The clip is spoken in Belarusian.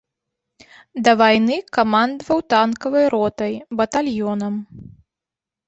Да вайны камандаваў танкавай ротай, батальёнам.